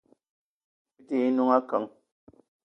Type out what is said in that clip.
Me te ye n'noung akeng.